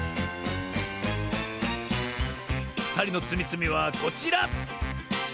ふたりのつみつみはこちら！